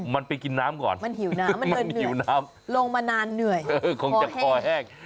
มันไปกินน้ำก่อนมันหิวน้ำมันมันหิวน้ำลงมานานเหนื่อยคงจะคอแห้ง